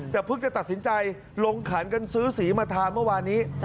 แต่พึกจะตัดสินใจลงการสือสีมาทาเมื่อวานี้